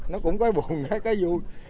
nó cũng có buồn cái cái vui